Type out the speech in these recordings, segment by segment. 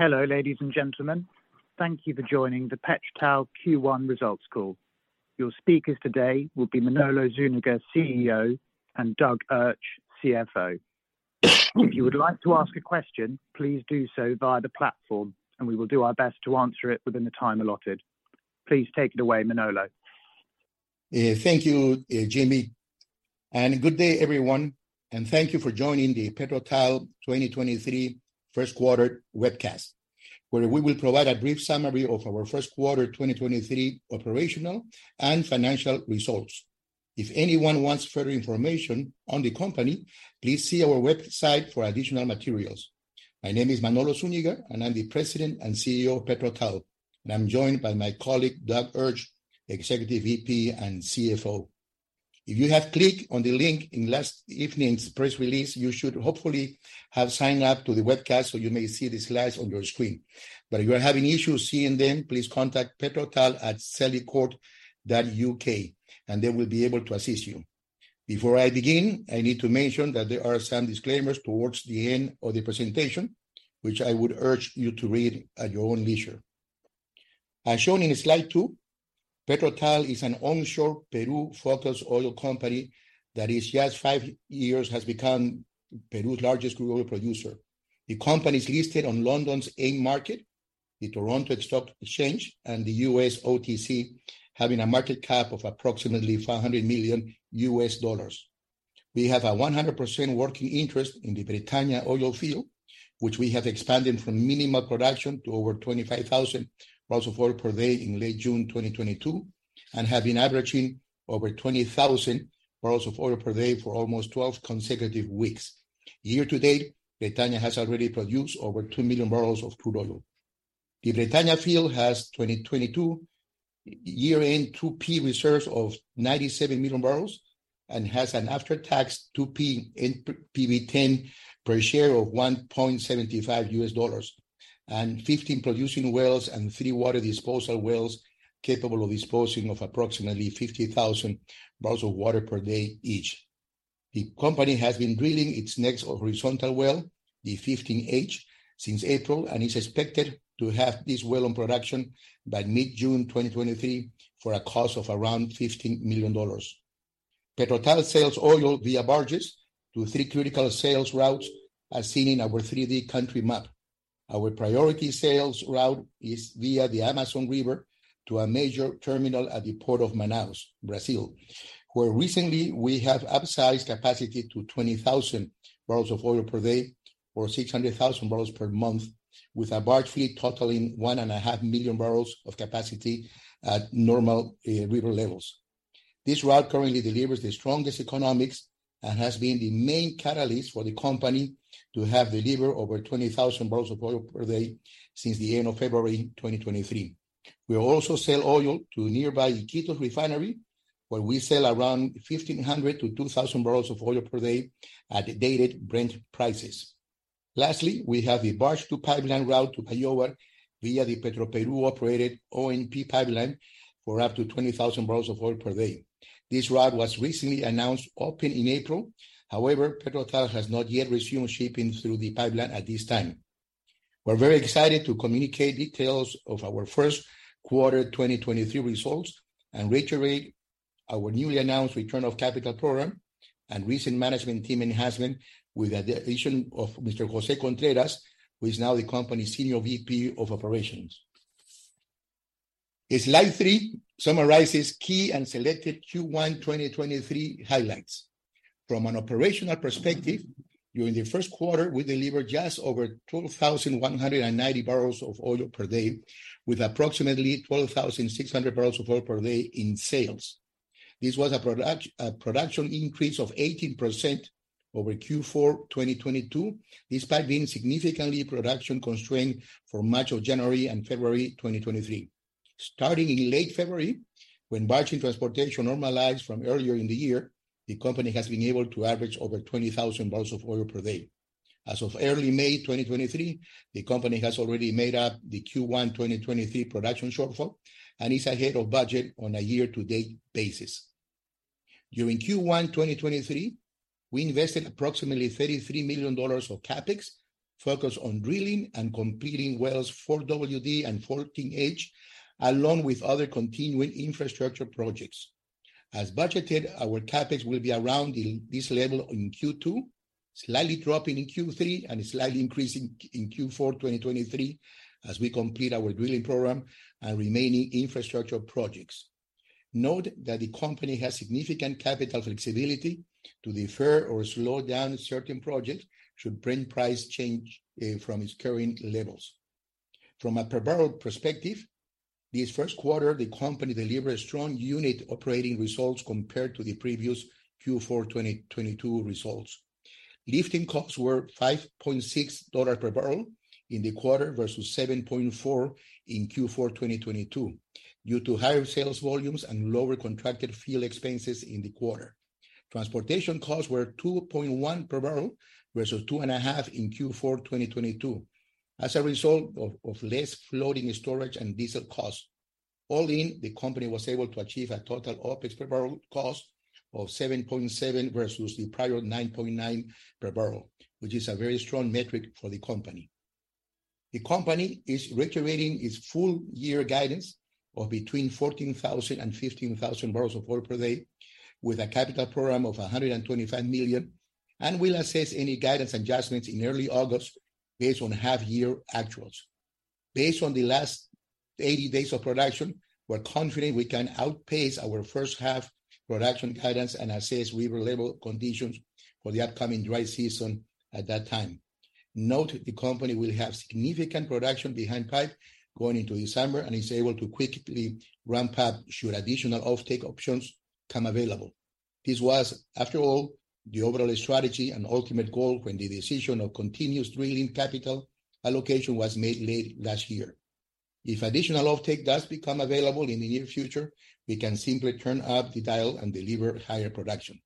Hello, ladies and gentlemen. Thank you for joining the PetroTal Q1 results call. Your speakers today will be Manolo Zúñiga, CEO, and Doug Urch, CFO. If you would like to ask a question, please do so via the platform, and we will do our best to answer it within the time allotted. Please take it away, Manolo. Thank you, Jamie, good day everyone, and thank you for joining the PetroTal 2023 first quarter webcast, where we will provide a brief summary of our first quarter 2023 operational and financial results. If anyone wants further information on the company, please see our website for additional materials. My name is Manolo Zúñiga, and I'm the President and CEO of PetroTal, and I'm joined by my colleague, Doug Urch, Executive VP and CFO. If you have clicked on the link in last evening's press release, you should hopefully have signed up to the webcast, so you may see the slides on your screen. If you are having issues seeing them, please contact petrotal@celicourt.uk, and they will be able to assist you. Before I begin, I need to mention that there are some disclaimers towards the end of the presentation, which I would urge you to read at your own leisure. As shown in Slide two, PetroTal is an onshore Peru-focused oil company that in just five years has become Peru's largest crude oil producer. The company is listed on London's AIM market, the Toronto Stock Exchange, and the U.S. OTC, having a market cap of approximately $500 million. We have a 100% working interest in the Bretana oil field, which we have expanded from minimal production to over 25,000 barrels of oil per day in late June 2022, and have been averaging over 20,000 barrels of oil per day for almost 12 consecutive weeks. Year to date, Bretana has already produced over 2 million barrels of crude oil. The Bretana field has 2022 year-end 2P reserves of 97 million barrels and has an after-tax 2P input PV10 per share of $1.75 and 15 producing wells and three water disposal wells capable of disposing of approximately 50,000 barrels of water per day each. The company has been drilling its next horizontal well, the 15H, since April, is expected to have this well in production by mid-June 2023 for a cost of around $15 million. PetroTal sells oil via barges to three critical sales routes, as seen in our 3D country map. Our priority sales route is via the Amazon River to a major terminal at the port of Manaus, Brazil, where recently we have upsized capacity to 20,000 barrels of oil per day or 600,000 barrels per month with a barge fleet totaling 1.5 million barrels of capacity at normal river levels. This route currently delivers the strongest economics and has been the main catalyst for the company to have delivered over 20,000 barrels of oil per day since the end of February 2023. We also sell oil to nearby Iquitos Refinery, where we sell around 1,500-2,000 barrels of oil per day at the Dated Brent prices. Lastly, we have a barge to pipeline route to Callao via the Petroperú-operated ONP pipeline for up to 20,000 barrels of oil per day. This route was recently announced open in April, however, PetroTal has not yet resumed shipping through the pipeline at this time. We're very excited to communicate details of our first quarter 2023 results and reiterate our newly announced return of capital program and recent management team enhancement with the addition of Mr. José Contreras, who is now the company's Senior VP of Operations. Slide three summarizes key and selected Q1 2023 highlights. From an operational perspective, during the first quarter, we delivered just over 12,190 barrels of oil per day with approximately 12,600 barrels of oil per day in sales. This was a production increase of 18% over Q4 2022, despite being significantly production-constrained for much of January and February 2023. Starting in late February, when barge transportation normalized from earlier in the year, the company has been able to average over 20,000 barrels of oil per day. As of early May 2023, the company has already made up the Q1 2023 production shortfall and is ahead of budget on a year-to-date basis. During Q1 2023, we invested approximately $33 million of CapEx focused on drilling and completing wells 4WD and 14H, along with other continuing infrastructure projects. As budgeted, our CapEx will be around in this level in Q2, slightly dropping in Q3 and slightly increasing in Q4 2023 as we complete our drilling program and remaining infrastructure projects. Note that the company has significant capital flexibility to defer or slow down certain projects should Brent price change from its current levels. From a per-barrel perspective, this first quarter, the company delivered strong unit operating results compared to the previous Q4 2022 results. Lifting costs were $5.6 per barrel in the quarter versus $7.4 in Q4 2022 due to higher sales volumes and lower contracted field expenses in the quarter. Transportation costs were $2.1 per barrel versus $2.5 in Q4 2022 as a result of less floating storage and diesel costs. All in, the company was able to achieve a total OpEx per barrel cost of $7.7 versus the prior $9.9 per barrel, which is a very strong metric for the company. The company is reiterating its full year guidance of between 14,000 and 15,000 barrels of oil per day with a capital program of $125 million. Will assess any guidance adjustments in early August based on half year actuals. Based on the last 80 days of production, we're confident we can outpace our first half production guidance and assess favorable conditions for the upcoming dry season at that time. Note, the company will have significant production behind pipe going into December and is able to quickly ramp up should additional offtake options come available. This was, after all, the overall strategy and ultimate goal when the decision of continuous drilling capital allocation was made late last year. If additional offtake does become available in the near future, we can simply turn up the dial and deliver higher production.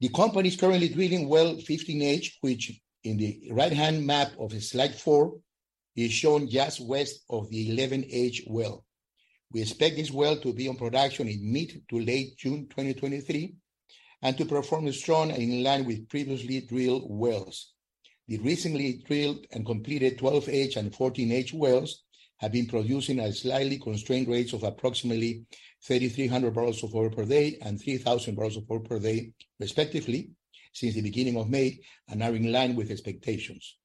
The company is currently drilling well 15H, which in the right-hand map of slide four is shown just west of the 11H well. We expect this well to be in production in mid to late June 2023, and to perform strong and in line with previously drilled wells. The recently drilled and completed 12H and 14H wells have been producing at slightly constrained rates of approximately 3,300 barrels of oil per day and 3,000 barrels of oil per day respectively since the beginning of May, and are in line with expectations.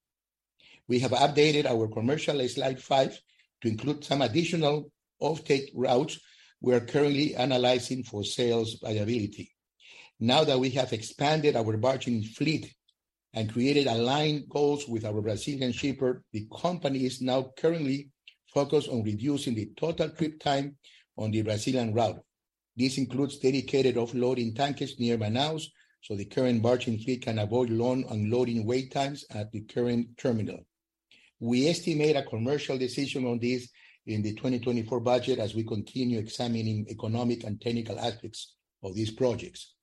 We have updated our commercial in slide five to include some additional offtake routes we are currently analyzing for sales viability. That we have expanded our barging fleet and created aligned goals with our Brazilian shipper, the company is now currently focused on reducing the total trip time on the Brazilian route. This includes dedicated offloading tankers near Manaus, so the current barging fleet can avoid long unloading wait times at the current terminal. We estimate a commercial decision on this in the 2024 budget as we continue examining economic and technical aspects of these projects.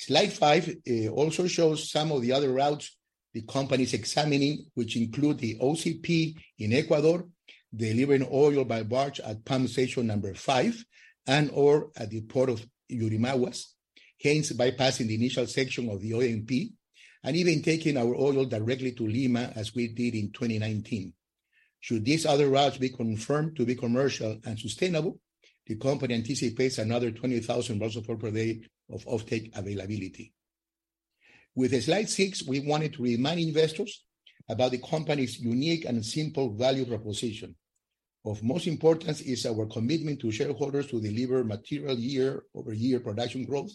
Slide five also shows some of the other routes the company's examining, which include the OCP in Ecuador, delivering oil by barge at Pump Station number 5 and/or at the port of Yurimaguas, hence bypassing the initial section of the ONP, and even taking our oil directly to Lima as we did in 2019. Should these other routes be confirmed to be commercial and sustainable, the company anticipates another 20,000 barrels of oil per day of offtake availability. With slide six, we wanted to remind investors about the company's unique and simple value proposition. Of most importance is our commitment to shareholders to deliver material year-over-year production growth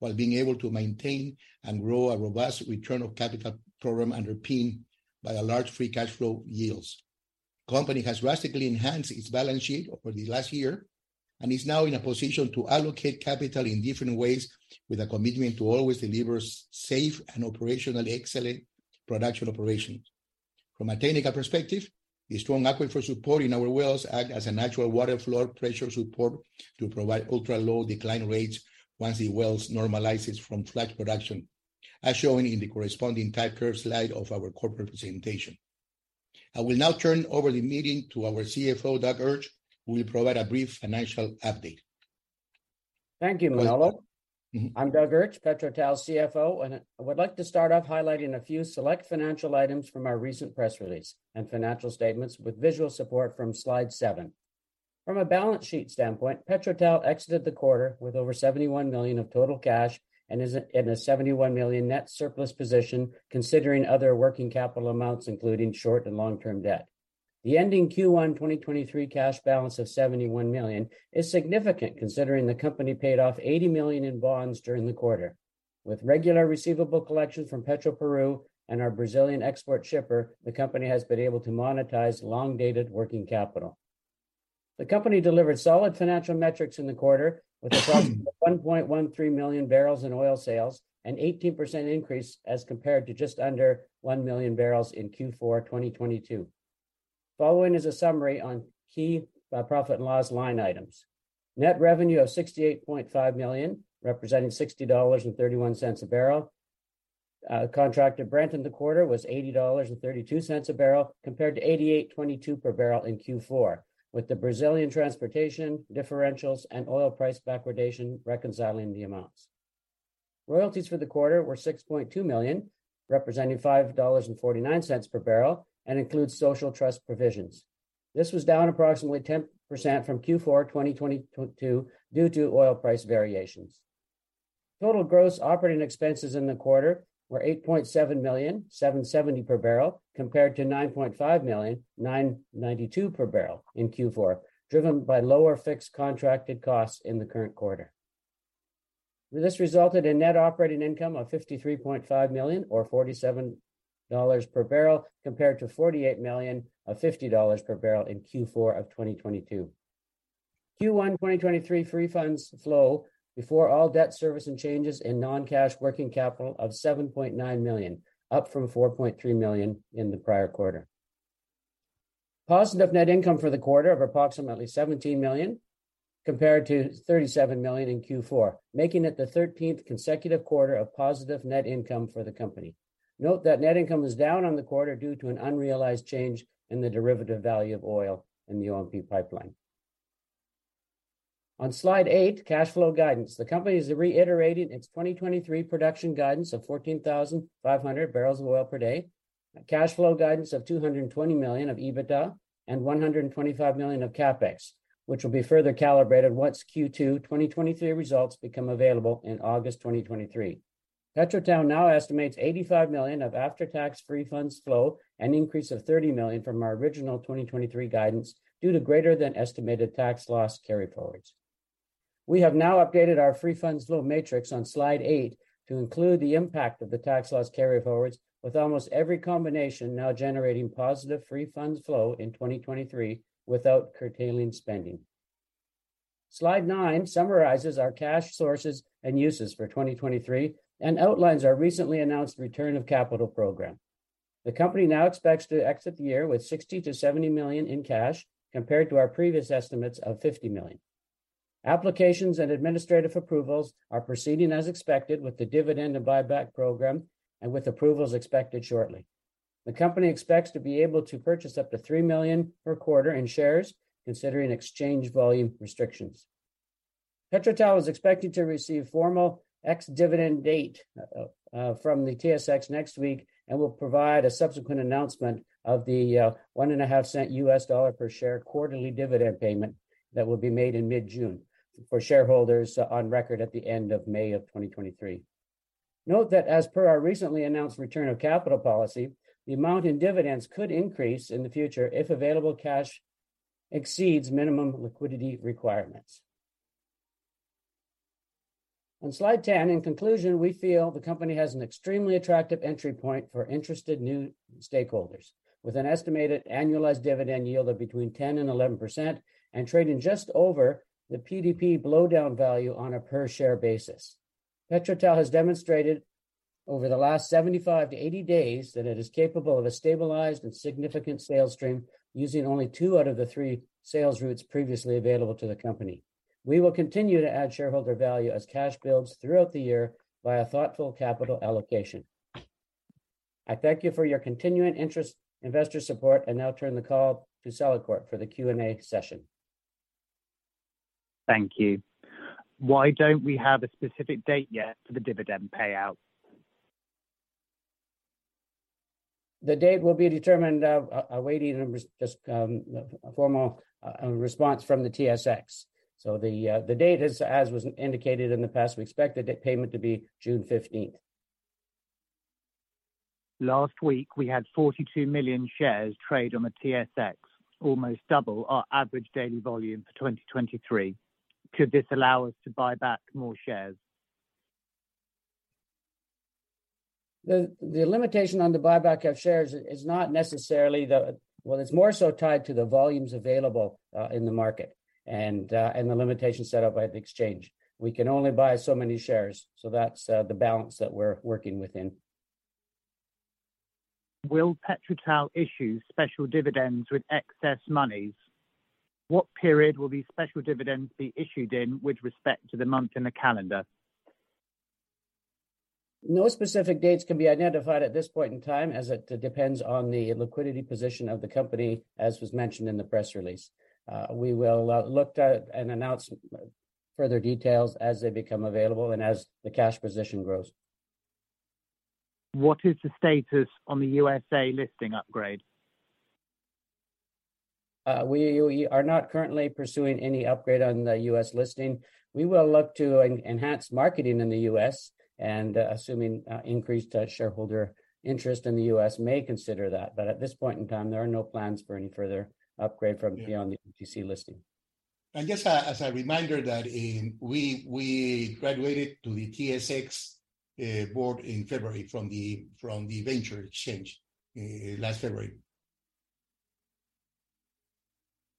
while being able to maintain and grow a robust return on capital program underpinned by a large Free Cash Flow yields. Company has drastically enhanced its balance sheet over the last year and is now in a position to allocate capital in different ways with a commitment to always deliver safe and operationally excellent production operations. From a technical perspective, the strong aquifer support in our wells act as a natural water floor pressure support to provide ultra-low decline rates once the wells normalizes from flat production, as shown in the corresponding type curve slide of our corporate presentation. I will now turn over the meeting to our CFO, Doug Urch, who will provide a brief financial update. Thank you, Manolo. I'm Douglas Urch, PetroTal CFO. I would like to start off highlighting a few select financial items from our recent press release and financial statements with visual support from slide seven. From a balance sheet standpoint, PetroTal exited the quarter with over $71 million of total cash and is in a $71 million net surplus position considering other working capital amounts, including short and long-term debt. The ending Q1 2023 cash balance of $71 million is significant considering the company paid off $80 million in bonds during the quarter. With regular receivable collections from Petroperú and our Brazilian export shipper, the company has been able to monetize long-dated working capital. The company delivered solid financial metrics in the quarter with approximately 1.13 million barrels in oil sales, an 18% increase as compared to just under 1 million barrels in Q4 2022. Following is a summary on key profit and loss line items. Net revenue of $68.5 million, representing $60.31 a barrel. Contracted Brent in the quarter was $80.32 a barrel, compared to $88.22 per barrel in Q4, with the Brazilian transportation differentials and oil price backwardation reconciling the amounts. Royalties for the quarter were $6.2 million, representing $5.49 per barrel, and includes social trust provisions. This was down approximately 10% from Q4 2022 due to oil price variations. Total gross operating expenses in the quarter were $8.7 million, $7.70 per barrel, compared to $9.5 million, $9.92 per barrel in Q4, driven by lower fixed contracted costs in the current quarter. This resulted in net operating income of $53.5 million or $47 per barrel, compared to $48 million of $50 per barrel in Q4 of 2022. Q1 2023 free funds flow before all debt service and changes in non-cash working capital of $7.9 million, up from $4.3 million in the prior quarter. Positive net income for the quarter of approximately $17 million. Compared to $37 million in Q4, making it the 13th consecutive quarter a positive net income for the company. Note that net income is down on the quarter due to an unrealized change in the derivative value of oil in the ONP pipeline. On slide eight, cash flow guidance. The company has reiterated its 2023 production guidance of 14,500 barrels of oil per day, a cash flow guidance of $220 million of EBITDA, and $125 million of CapEx, which will be further calibrated once Q2 2023 results become available in August 2023. PetroTal now estimates $85 million of after-tax free funds flow, an increase of $30 million from our original 2023 guidance due to greater than estimated tax loss carryforwards. We have now updated our free funds flow matrix on Slide eight to include the impact of the tax loss carryforwards, with almost every combination now generating positive free funds flow in 2023 without curtailing spending. Slide nine summarizes our cash sources and uses for 2023 and outlines our recently announced return of capital program. The company now expects to exit the year with $60 million-$70 million in cash compared to our previous estimates of $50 million. Applications and administrative approvals are proceeding as expected with the dividend and buyback program, and with approvals expected shortly. The company expects to be able to purchase up to $3 million per quarter in shares, considering exchange volume restrictions. PetroTal is expected to receive formal ex-dividend date from the TSX next week and will provide a subsequent announcement of the $0.015 per share quarterly dividend payment that will be made in mid-June for shareholders on record at the end of May 2023. Note that as per our recently announced return of capital policy, the amount in dividends could increase in the future if available cash exceeds minimum liquidity requirements. On slide 10, in conclusion, we feel the company has an extremely attractive entry point for interested new stakeholders with an estimated annualized dividend yield of between 10% and 11% and trading just over the PDP blowdown value on a per share basis. PetroTal has demonstrated over the last 75-80 days that it is capable of a stabilized and significant sales stream using only two out of the three sales routes previously available to the company. We will continue to add shareholder value as cash builds throughout the year by a thoughtful capital allocation. I thank you for your continuing interest, investor support, now turn the call to Celicourt for the Q&A session. Thank you. Why don't we have a specific date yet for the dividend payout? The date will be determined. I'm awaiting a formal response from the TSX. The date is as was indicated in the past, we expect the payment to be June 15th. Last week, we had 42 million shares trade on the TSX, almost double our average daily volume for 2023. Could this allow us to buy back more shares? The limitation on the buyback of shares is not necessarily well, it's more so tied to the volumes available in the market and the limitations set up by the exchange. We can only buy so many shares. That's the balance that we're working within. Will PetroTal issue special dividends with excess monies? What period will these special dividends be issued in with respect to the month in the calendar? No specific dates can be identified at this point in time as it depends on the liquidity position of the company, as was mentioned in the press release. We will look at and announce further details as they become available and as the cash position grows. What is the status on the USA listing upgrade? We are not currently pursuing any upgrade on the U.S. listing. We will look to enhance marketing in the U.S. and assuming, increased, shareholder interest in the U.S. may consider that. At this point in time, there are no plans for any further upgrade from beyond the OTC listing. Just as a reminder that, we graduated to the TSX board in February from the Venture Exchange last February.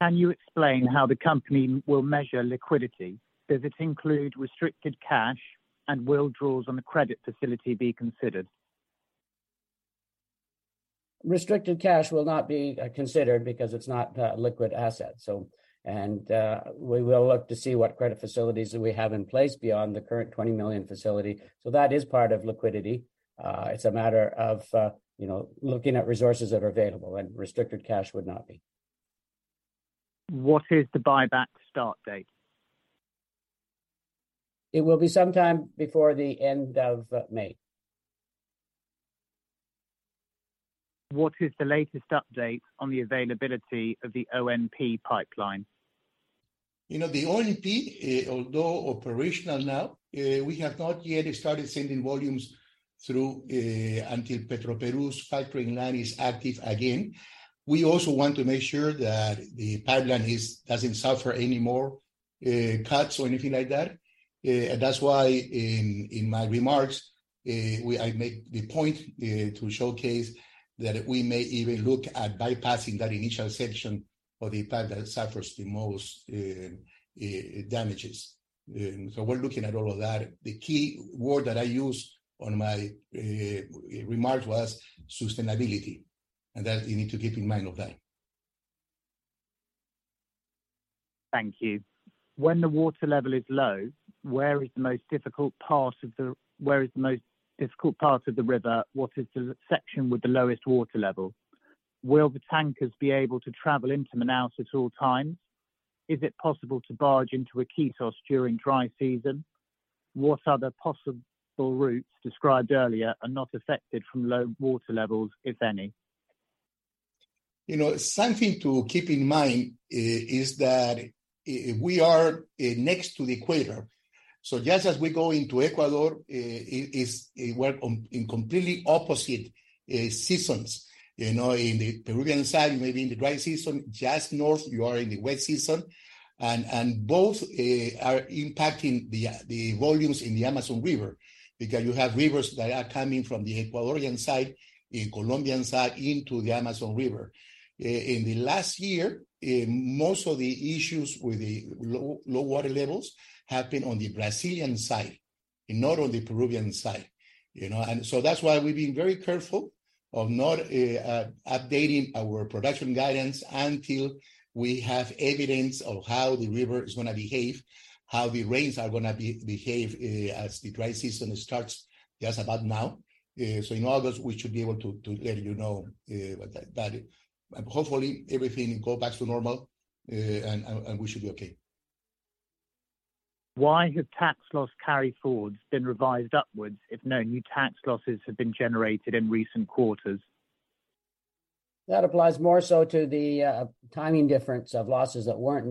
Can you explain how the company will measure liquidity? Does it include restricted cash, and will draws on the credit facility be considered? Restricted cash will not be considered because it's not a liquid asset. We will look to see what credit facilities that we have in place beyond the current $20 million facility. That is part of liquidity. It's a matter of, you know, looking at resources that are available, and restricted cash would not be. What is the buyback start date? It will be sometime before the end of May. What is the latest update on the availability of the ONP pipeline? You know, the ONP, although operational now, we have not yet started sending volumes through until Petroperú's factory line is active again. We also want to make sure that the pipeline doesn't suffer any more cuts or anything like that. That's why in my remarks, I make the point to showcase that we may even look at bypassing that initial section of the pipeline that suffers the most damages. We're looking at all of that. The key word that I used on my remark was sustainability. That you need to keep in mind of that. Thank you. When the water level is low, where is the most difficult part of the river? What is the section with the lowest water level? Will the tankers be able to travel into Manaus at all times? Is it possible to barge into Iquitos during dry season? What other possible routes described earlier are not affected from low water levels, if any? You know, something to keep in mind, is that we are next to the equator. Just as we go into Ecuador, it is we're on in completely opposite seasons, you know. In the Peruvian side, you may be in the dry season. Just north, you are in the wet season. Both are impacting the volumes in the Amazon River because you have rivers that are coming from the Ecuadorian side, the Colombian side, into the Amazon River. In the last year, most of the issues with the low water levels have been on the Brazilian side and not on the Peruvian side, you know? That's why we're being very careful of not updating our production guidance until we have evidence of how the river is gonna behave, how the rains are gonna behave, as the dry season starts just about now. In August we should be able to let you know what that. Hopefully everything go back to normal, and we should be okay. Why have tax loss carryforwards been revised upwards, if no new tax losses have been generated in recent quarters? That applies more so to the timing difference of losses that weren't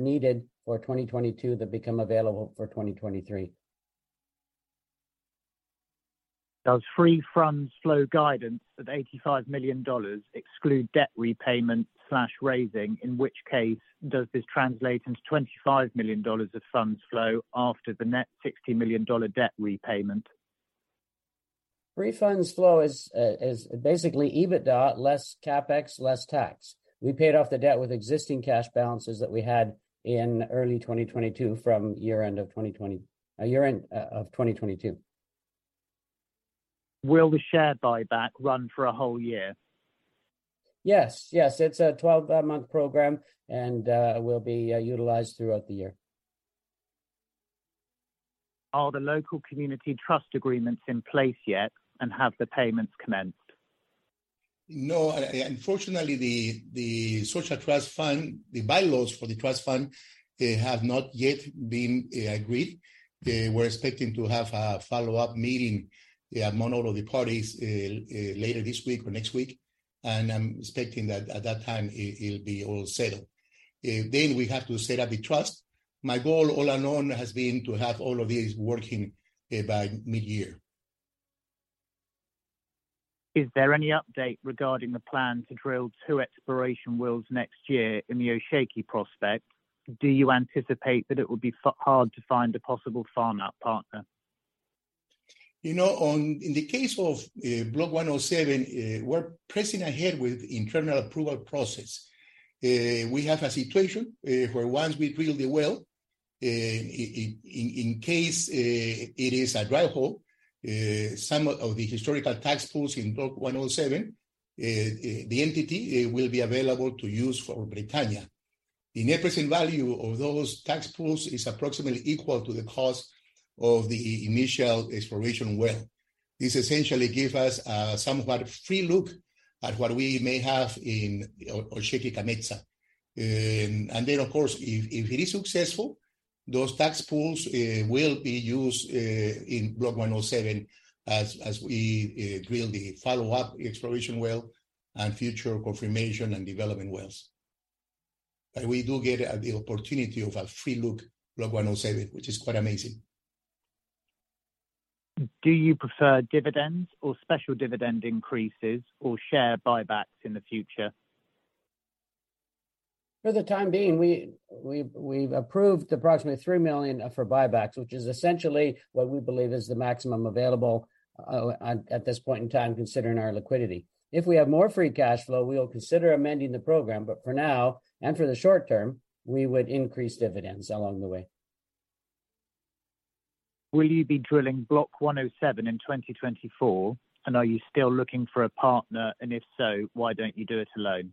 needed for 2022 that become available for 2023. Does free funds flow guidance of $85 million exclude debt repayment/raising, in which case does this translate into $25 million of funds flow after the net $60 million debt repayment? Free funds flow is basically EBITDA less CapEx, less tax. We paid off the debt with existing cash balances that we had in early 2022 from year-end of 2022. Will the share buyback run for a whole year? Yes. Yes. It's a 12-month program and will be utilized throughout the year. Are the local community trust agreements in place yet, and have the payments commenced? No. Unfortunately, the social trust fund, the bylaws for the trust fund, they have not yet been agreed. They were expecting to have a follow-up meeting among all of the parties later this week or next week. I'm expecting that at that time it'll be all settled. We have to set up a trust. My goal all along has been to have all of this working by midyear. Is there any update regarding the plan to drill 2 exploration wells next year in the Osheki prospect? Do you anticipate that it would be hard to find a possible farm-out partner? You know, in the case of Block 107, we're pressing ahead with internal approval process. We have a situation where once we drill the well, in case it is a dry hole, some of the historical tax pools in Block 107, the entity, it will be available to use for Bretana. The net present value of those tax pools is approximately equal to the cost of the initial exploration well. This essentially give us somewhat a free look at what we may have in Osheki-Kametza. Then of course, if it is successful, those tax pools will be used in Block 107 as we drill the follow-up exploration well and future confirmation and development wells. We do get the opportunity of a free look Block 107, which is quite amazing. Do you prefer dividends or special dividend increases or share buybacks in the future? For the time being, we've approved approximately $3 million for buybacks, which is essentially what we believe is the maximum available at this point in time, considering our liquidity. If we have more Free Cash Flow, we will consider amending the program. For now, and for the short term, we would increase dividends along the way. Will you be drilling Block 107 in 2024? Are you still looking for a partner? If so, why don't you do it alone?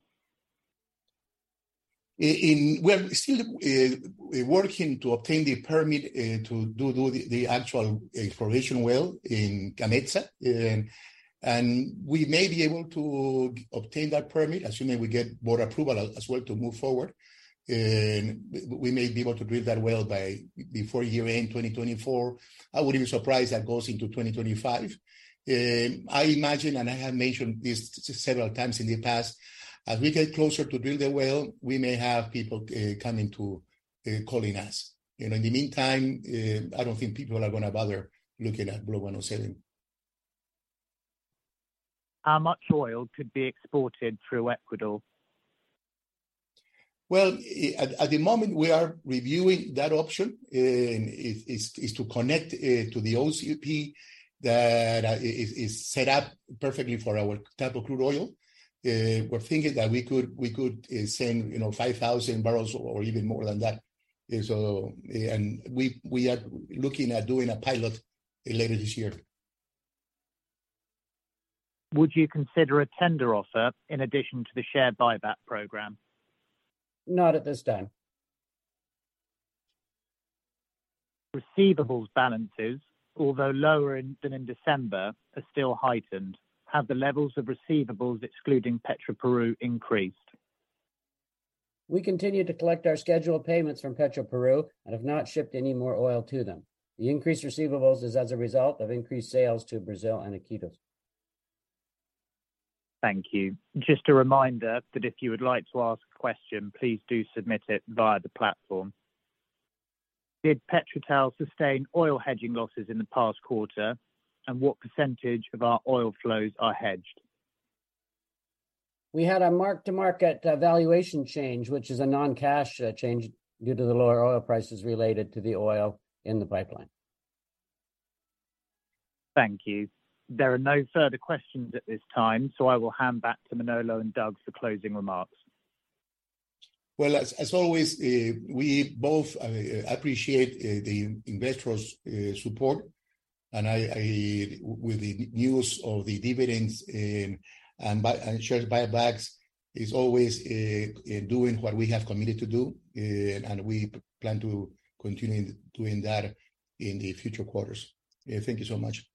We are still working to obtain the permit to do the actual exploration well in Kametza. We may be able to obtain that permit, assuming we get board approval as well to move forward. We may be able to drill that well by before year-end 2024. I wouldn't be surprised that goes into 2025. I imagine, and I have mentioned this several times in the past, as we get closer to drill the well, we may have people coming to calling us. You know, in the meantime, I don't think people are gonna bother looking at Block 107. How much oil could be exported through Ecuador? Well, at the moment we are reviewing that option, is to connect to the OCP that is set up perfectly for our type of crude oil. We're thinking that we could send, you know, 5,000 barrels or even more than that. We are looking at doing a pilot later this year. Would you consider a tender offer in addition to the share buyback program? Not at this time. Receivables balances, although lower in than in December, are still heightened. Have the levels of receivables, excluding Petroperú, increased? We continue to collect our scheduled payments from Petroperú and have not shipped any more oil to them. The increased receivables is as a result of increased sales to Brazil and Iquitos. Thank you. Just a reminder that if you would like to ask a question, please do submit it via the platform. Did PetroTal sustain oil hedging losses in the past quarter? What % of our oil flows are hedged? We had a mark-to-market, valuation change, which is a non-cash, change due to the lower oil prices related to the oil in the pipeline. Thank you. There are no further questions at this time, so I will hand back to Manolo and Doug for closing remarks. Well, as always, we both appreciate the investors support. With the news of the dividends and shares buybacks is always doing what we have committed to do. We plan to continue doing that in the future quarters. Thank you so much.